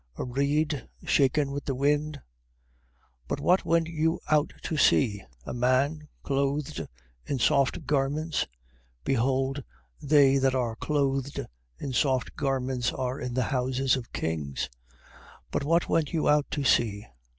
a reed shaken with the wind? 11:8. But what went you out to see? a man clothed in soft garments? Behold they that are clothed in soft garments, are in the houses of kings. 11:9. But what went you out to see?